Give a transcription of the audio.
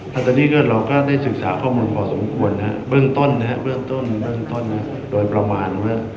ถัดตอนนี้เราก็ได้ศึกษาข้อมูลพอสมควรเบื้องต้นโดยประมาณว่า